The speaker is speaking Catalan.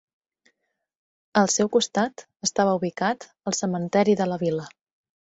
Al seu costat estava ubicat el cementeri de la vila.